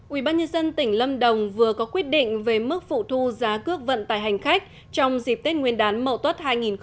ubnd tỉnh lâm đồng vừa có quyết định về mức phụ thu giá cước vận tải hành khách trong dịp tết nguyên đán mậu tuất hai nghìn hai mươi